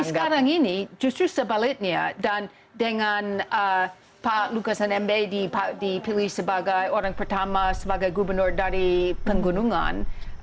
sekarang ini justru sebaliknya dan dengan pak lukas nmb dipilih sebagai orang pertama sebagai gubernur dari penggunungan